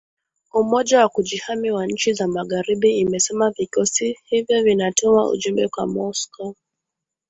Umoja wa kujihami wa nchi za magharibi imesema vikosi hivyo vinatuma ujumbe kwa Moscow